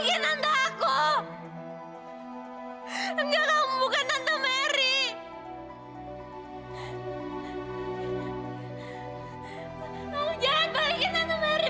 engga kamu bukan tante mary